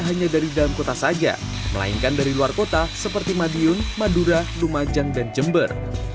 hanya dari dalam kota saja melainkan dari luar kota seperti madiun madura lumajang dan jember